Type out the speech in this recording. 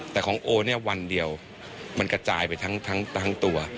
แต่ของโอเนี่ยวันเดียวมันกระจายไปทั้งตัว